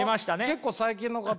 結構最近の方。